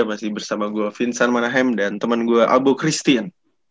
masih bersama gue vincent manahem dan teman gue albo christian